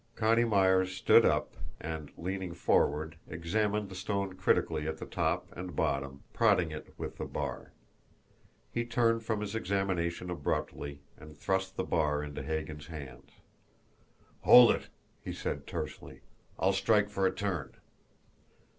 Connie Myers stood up, and, leaning forward, examined the stone critically at top and bottom, prodding it with the bar. He turned from his examination abruptly, and thrust the bar into Hagan's hands. "Hold it!" he said tersely. "I'll strike for a turn."